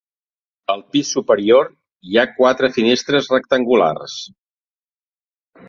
Al pis superior hi ha quatre finestres rectangulars.